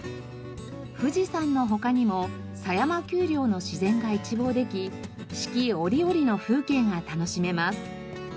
富士山の他にも狭山丘陵の自然が一望でき四季折々の風景が楽しめます。